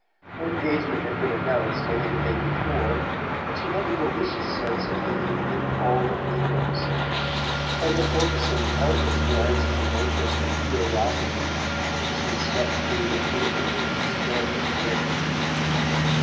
Her engagement had been announced only the day before, and she had the delicious sense of being "in all the papers," and of focussing countless glances of interest and curiosity as she swept through the theatre in Mrs. Fairford's wake.